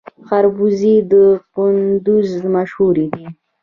خربوزې د کندز مشهورې دي